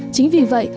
chính vì vậy